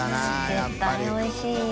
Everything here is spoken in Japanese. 絶対おいしいよ。